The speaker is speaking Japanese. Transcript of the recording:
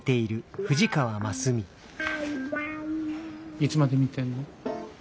いつまで見てんの？